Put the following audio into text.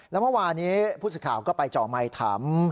แล้วเมื่อวานี้ผู้สึกข่าวก็ไปเจาะใหม่ถาม